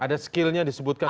ada skillnya disebutkan